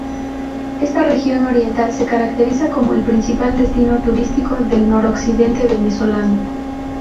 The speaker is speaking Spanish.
Esta región oriental se caracteriza como el principal destino turístico del noroccidente venezolano.